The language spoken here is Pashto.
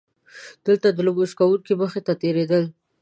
دلته د لمونځ کوونکي مخې ته تېرېدل.